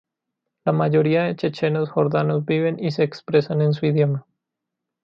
La mayoría de chechenos jordanos viven y se expresan en su idioma.